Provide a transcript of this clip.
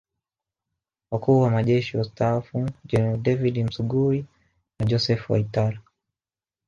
Wakuu wa Majeshi Wastaafu Jeneral David Msuguri na Joseph Waitara